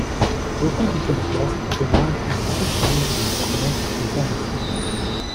Beaucoup d'iconoclastes demandent le souvenir d'une promesse aux imbéciles.